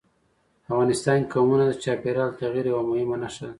په افغانستان کې قومونه د چاپېریال د تغیر یوه مهمه نښه ده.